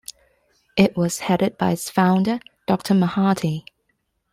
It was headed by its founder, Doctor Mahathir.